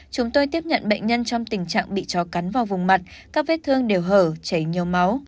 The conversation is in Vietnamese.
chúng tôi tiếp nhận bệnh nhân trong tình trạng bị chó cắn vào vùng mặt các vết thương đều hở chảy nhiều máu